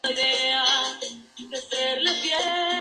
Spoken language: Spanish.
Enfermo de tisis y carente de apoyo, Varela se refugió en Chile.